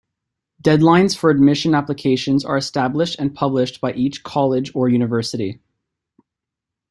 Deadlines for admission applications are established and published by each college or university.